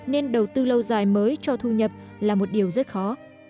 nên đầu tư lâu dài mới cho thu nhập là một điều rất khó